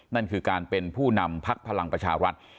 นั่นคือการเป็นผู้นำพักพลังประชารัฐ